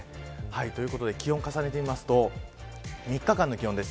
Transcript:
ということで気温を重ねてみますと３日間の気温です。